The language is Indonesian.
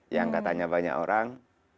yang katanya banyak orang